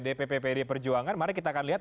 dpp pd perjuangan mari kita akan lihat